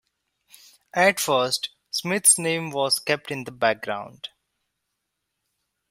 At first, Smythe's name was kept in the background.